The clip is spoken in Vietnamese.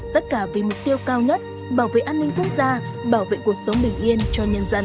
tất cả vì mục tiêu cao nhất bảo vệ an ninh quốc gia bảo vệ cuộc sống bình yên cho nhân dân